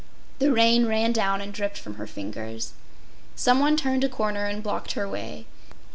The rain ran down and dripped from her fingers. Some one turned a corner and blocked her way.